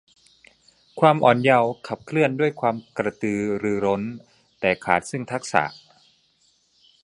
ความอ่อนเยาว์ขับเคลื่อนด้วยความกระตือรือร้น แต่ขาดซึ่งทักษะ